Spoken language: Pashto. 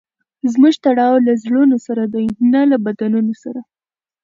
زموږ تړاو له زړونو سره دئ؛ نه له بدنونو سره.